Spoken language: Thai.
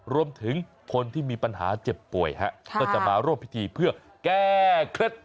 รวมถึงคนที่มีปัญหาเจ็บป่วยก็จะมาร่วมพิธีเพื่อแก้เคล็ด